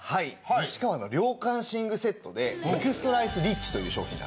西川の涼感寝具セットでエクストラアイスリッチという商品なんです。